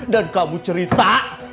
dan kamu cerita